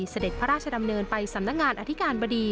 เสด็จพระราชดำเนินไปสำนักงานอธิการบดี